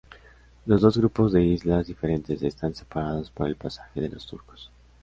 Los dos grupos de islas diferentes están separados por el Pasaje de los Turcos.